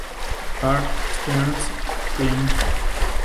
Carl Stearns Clancy